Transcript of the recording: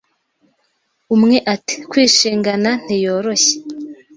Umwe ati Kwishingana ntiyoroshye